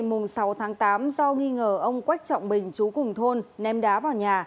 ngày sáu tháng tám do nghi ngờ ông quách trọng bình chú cùng thôn ném đá vào nhà